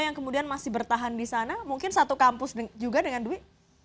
yang kemudian masih bertahan di sana mungkin satu kampus juga dengan dwi